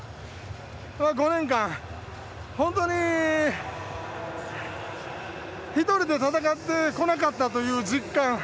５年間、本当に１人で戦ってこなかったという実感。